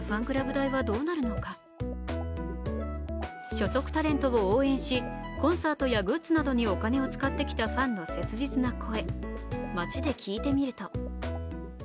所属タレントを応援し、コンサートやグッズなどにお金を使ってきたファンの切実な声。